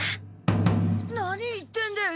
何言ってんだよ